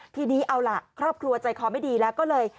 ทีนี้เอาล่ะครอบครัวใจคอไม่ดีแล้วก็เลย